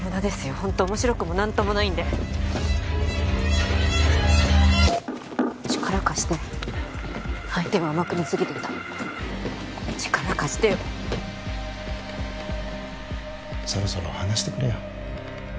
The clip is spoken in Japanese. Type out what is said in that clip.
ホント面白くも何ともないんで力貸して相手を甘く見すぎてた力貸してよ・そろそろ話してくれよ